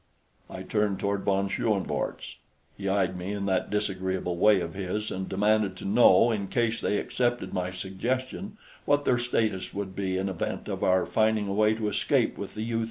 I turned toward von Schoenvorts. He eyed me in that disagreeable way of his and demanded to know, in case they accepted my suggestion, what their status would be in event of our finding a way to escape with the U 33.